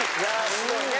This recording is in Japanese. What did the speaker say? すごいね。